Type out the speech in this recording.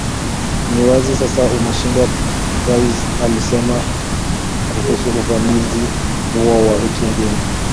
ni wazi sasa umeshindwa Price alisema kuhusu uvamizi huo wa wiki mbili